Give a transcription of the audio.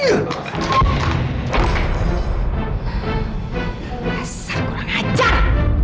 asal kurang ajar